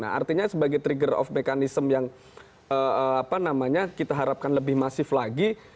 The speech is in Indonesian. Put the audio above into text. nah artinya sebagai trigger of mekanism yang apa namanya kita harapkan lebih masif lagi